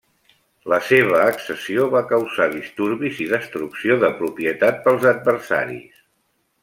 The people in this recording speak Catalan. La seva accessió va causar disturbis i destrucció de propietat pels adversaris.